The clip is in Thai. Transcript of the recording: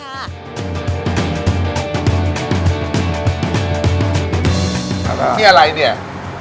นี่อะไรเนี่ย